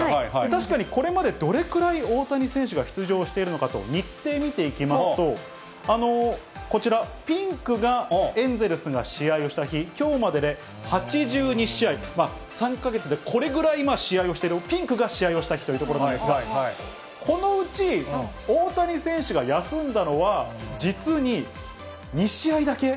確かにこれまでどれくらい大谷選手が出場しているのかと、日程見ていきますと、こちら、ピンクがエンゼルスが試合をした日、きょうまでで８２試合、３か月でこれぐらい試合をしている、ピンクが試合をした日ということなんですが、このうち、大谷選手が休んだのは、実に２試合だけ。